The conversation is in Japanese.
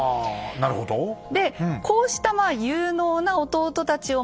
なるほどね。